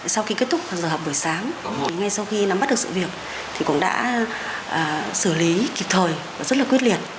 sau khi kết thúc vào giờ học buổi sáng ngay sau khi nắm bắt được sự việc thì cũng đã xử lý kịp thời rất là quyết liệt